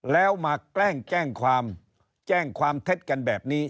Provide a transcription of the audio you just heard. แล้วมาแกล้งแจ้งความแจ้งความเท็จกันแบบนี้